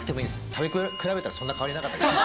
食べ比べたら、そんな変わりなかったです。